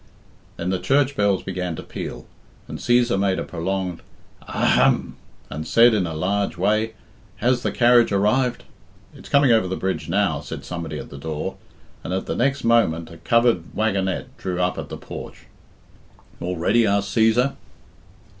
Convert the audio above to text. Then the church bells began to peal, and Cæsar made a prolonged A hm! and said in a large way, "Has the carriage arrived?" "It's coming over by the bridge now," said somebody at the door, and at the next moment a covered wagonette drew up at the porch. "All ready?" asked Cæsar.